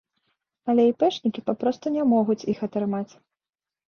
Але іпэшнікі папросту не могуць іх атрымаць.